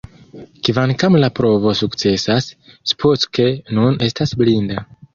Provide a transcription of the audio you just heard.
Kvankam la provo sukcesas, Spock nun estas blinda.